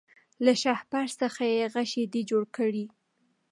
له شهپر څخه یې غشی دی جوړ کړی